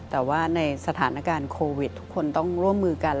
แต่ว่าในสถานการณ์โควิดทุกคนต้องร่วมมือกัน